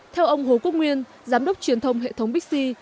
theo ông hồ quốc nguyên giám đốc truyền thông hệ thống bixi